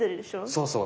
そうそう。